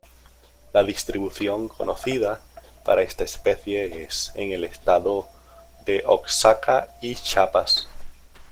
La distribución conocida, para esta especie es en el Estado de Oaxaca y Chiapas.